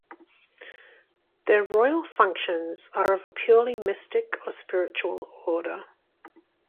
Their royal functions are of a purely mystic or spiritual order.